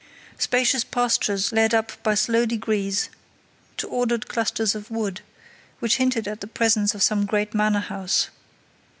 Spacious pastures led up by slow degrees to ordered clusters of wood, which hinted at the presence of some great manor house.